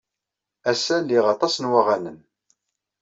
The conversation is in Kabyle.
Ass-a liɣ aṭas n waɣanen.